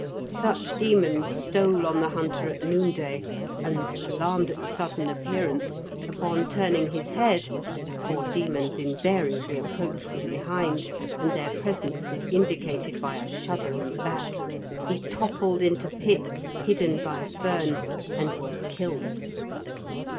Such demons stole on the hunter at noonday, and, alarmed at the sudden appearance, upon turning his head (for demons invariably approach from behind, and their presence is indicated by a shudder in the back), he toppled into pits hidden by fern, and was killed.